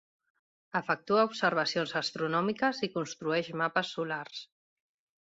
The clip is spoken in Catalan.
Efectua observacions astronòmiques i construeix mapes solars.